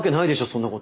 そんなこと。